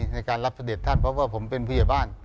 ในการรับเสด็จท่านเพราะว่าผมเป็นผู้ใหญ่บ้าน